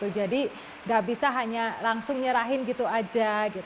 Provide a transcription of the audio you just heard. jadi nggak bisa hanya langsung nyerahin gitu aja